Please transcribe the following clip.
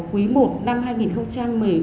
quý một năm hai nghìn một mươi bốn